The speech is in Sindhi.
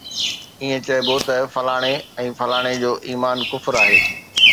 ائين چئبو ته فلاڻي ۽ فلاڻي جو ايمان ڪفر آهي